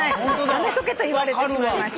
やめとけ』と言われてしまいました」